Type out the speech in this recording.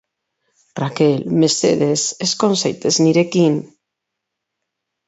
Rachel, mesedez, ezkon zaitez nirekin!